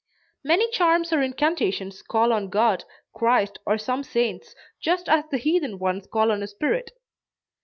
Many charms or incantations call on God, Christ or some saints, just as the heathen ones call on a spirit.